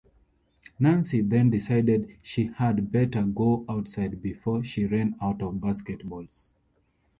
Nancy then decided she had better go outside before she ran out of basketballs.